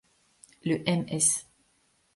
Le ms.